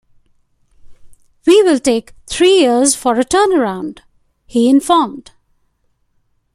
"We will take three years for a turnaround," he informed.